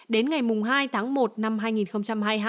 đến ngày hai tháng một năm hai nghìn hai mươi hai